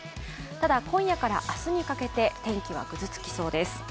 ただ、今夜か明日にかけて天気はぐずつきそうです。